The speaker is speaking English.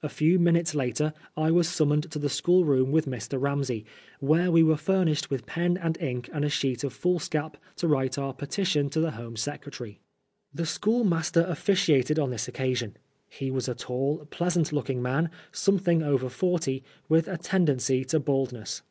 A few minutes later I was summoned to the schoolroom with Mr. Ramsey, where we were furnished with pen and ink and a sheet of foolscap to write our " petition " to the Home Secre tary. The schoolmaster officiated on this occasion. He was a tall, pleasant looking man, something over forty, with a tendency to baldness.